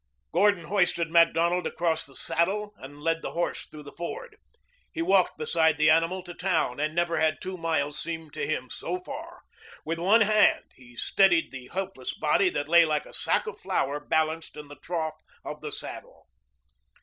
Gordon hoisted Macdonald across the saddle and led the horse through the ford. He walked beside the animal to town, and never had two miles seemed to him so far. With one hand he steadied the helpless body that lay like a sack of flour balanced in the trough of the saddle.